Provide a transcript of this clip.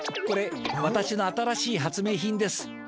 これわたしの新しい発明品です。